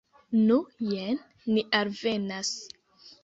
Nu, jen ni alvenas.